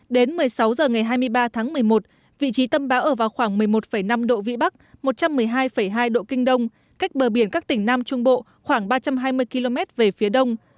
đến một mươi sáu h ngày hai mươi ba tháng một mươi một vị trí tâm bão ở vào khoảng một mươi một năm độ vĩ bắc một trăm một mươi hai hai độ kinh đông cách bờ biển các tỉnh nam trung bộ khoảng ba trăm hai mươi km về phía đông